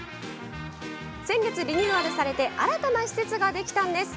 先月リニューアルされて新たな施設ができたんです。